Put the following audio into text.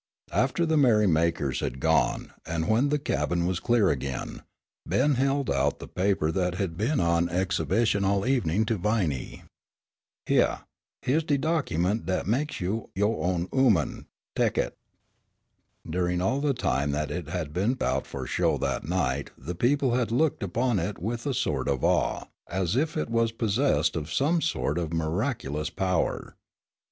After the merrymakers had gone, and when the cabin was clear again, Ben held out the paper that had been on exhibition all evening to Viney. "Hyeah, hyeah's de docyment dat meks you yo' own ooman. Tek it." During all the time that it had been out for show that night the people had looked upon it with a sort of awe, as if it was possessed of some sort of miraculous power.